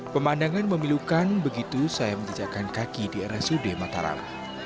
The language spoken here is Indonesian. pemandangan memilukan begitu saya menjejakkan kaki di rsud mataram